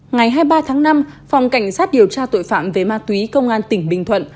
ngày hai mươi ba tháng năm phòng cảnh sát điều tra tội phạm về ma túy công an tỉnh bình thuận